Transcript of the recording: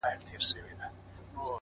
هغه د هر مسجد و څنگ ته ميکدې جوړي کړې ـ